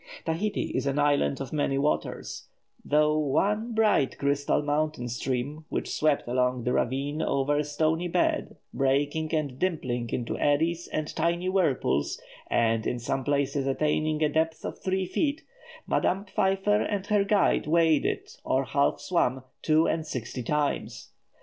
Tahiti is an island of many waters; through one bright crystal mountain stream, which swept along the ravine over a stony bed, breaking and dimpling into eddies and tiny whirlpools, and in some places attaining a depth of three feet, Madame Pfeiffer and her guide waded, or half swam, two and sixty times.